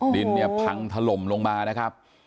ดินเนี่ยพังถล่มลงมานะครับ